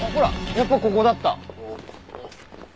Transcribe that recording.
やっぱここだった。